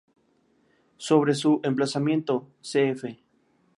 Sobre su emplazamiento, cf.